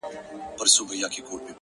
د ښار په جوارگرو باندي واوښتلې گراني ؛